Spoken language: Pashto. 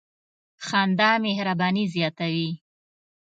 • خندا مهرباني زیاتوي.